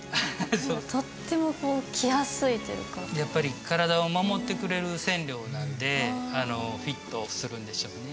とってもこう着やすいというかやっぱり体を守ってくれる染料なんでフィットするんでしょうね